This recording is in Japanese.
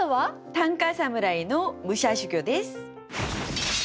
短歌侍の武者修行です。